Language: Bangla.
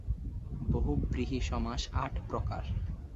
বহুব্রীহি সমাস আট প্রকার।